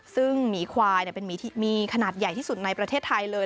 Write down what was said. ซึ่งหมีควายเป็นหมีขนาดใหญ่ที่สุดในประเทศไทยเลย